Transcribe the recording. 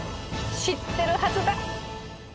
知ってるはずだ。